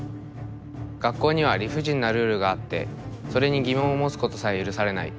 学校には理不尽なルールがあってそれに疑問を持つことさえ許されない。